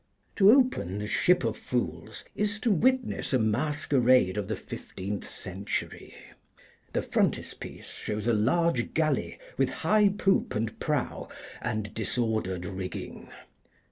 To open the 'Ship of Fools' is to witness a masquerade of the fifteenth century. The frontispiece shows a large galley with high poop and prow and disordered rigging.